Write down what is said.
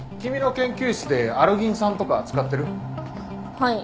はい。